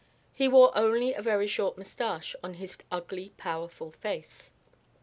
He wore only a very short moustache on his ugly powerful face.